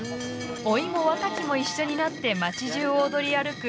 老いも若きも、一緒になって町じゅうを踊り歩く